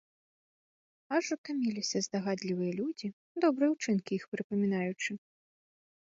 Аж утаміліся здагадлівыя людзі, добрыя ўчынкі іх прыпамінаючы.